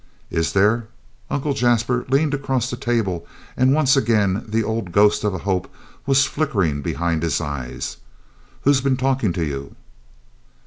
"Is there?" Uncle Jasper leaned across the table, and once again the old ghost of a hope was flickering behind his eyes. "Who's been talkin' to you?"